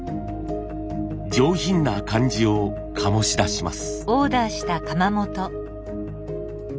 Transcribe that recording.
上品な感じを醸し出します。